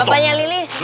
eh bapaknya lili